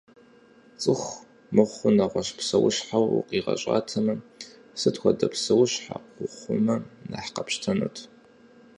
Цӏыху мыхъуу нэгъуэщӏ псэущхьэу укъигъэщӏатэмэ, сыт хуэдэ псэущхьэ ухъумэ нэхъ къэпщтэнут?